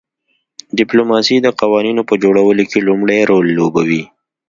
ډیپلوماسي د قوانینو په جوړولو کې لومړی رول لوبوي